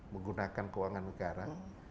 menggunakan keuangan negara